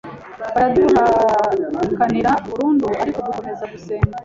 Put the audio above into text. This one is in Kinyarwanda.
baraduhakanira burundu ariko dukomeza gusenga